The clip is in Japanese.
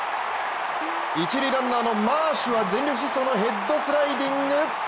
一塁ランナーのマーシュは全力疾走のヘッドスライディング。